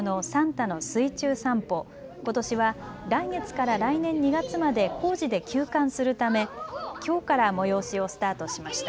ことしは来月から来年２月まで工事で休館するためきょうから催しをスタートしました。